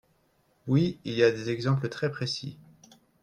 Oui, il y a des exemples très précis.